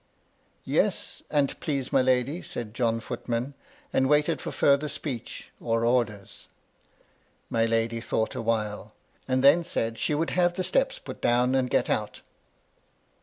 " Yes, an't please my lady," said John Footman, and waited for further speech or orders. My lady thought awhile, and then said she would have the steps put down and get out.